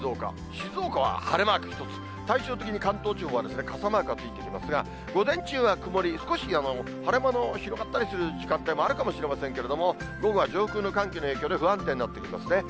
静岡は晴れマーク１つ。に関東地方は傘マークがついてきますが、午前中は曇り、少し晴れ間の広がったりする時間帯もあるかもしれませんけれども、午後は上空の寒気の影響で不安定になってきますね。